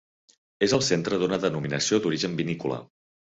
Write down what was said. És el centre d'una denominació d'origen vinícola.